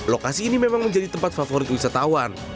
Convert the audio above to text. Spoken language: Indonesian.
lokasi ini memang menjadi tempat favorit wisatawan